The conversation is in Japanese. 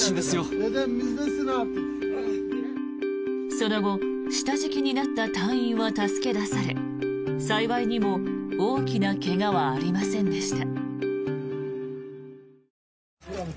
その後、下敷きになった隊員は助け出され幸いにも大きな怪我はありませんでした。